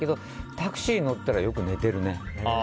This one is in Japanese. タクシーに乗ったらよく寝てるね。